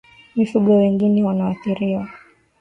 Mifugo wengine wanaoathiriwa